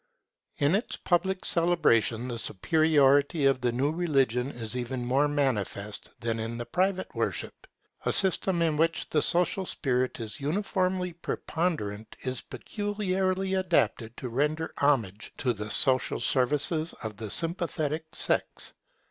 In its public celebration the superiority of the new Religion is even more manifest than in the private worship. A system in which the social spirit is uniformly preponderant, is peculiarly adapted to render homage for the social services of the sympathetic sex.